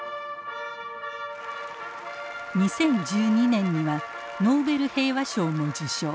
２０１２年にはノーベル平和賞も受賞。